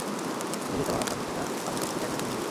আগে যেটা বানাতাম সেটা আর এটা কি এক নাকি ভিন্ন?